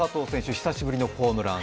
久しぶりのホームラン。